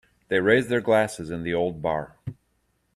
They raised their glasses in the old bar.